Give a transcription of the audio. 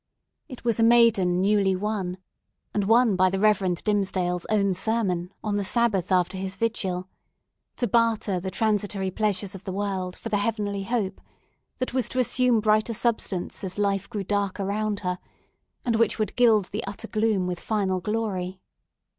It was a maiden newly won—and won by the Reverend Mr. Dimmesdale's own sermon, on the Sabbath after his vigil—to barter the transitory pleasures of the world for the heavenly hope that was to assume brighter substance as life grew dark around her, and which would gild the utter gloom with final glory.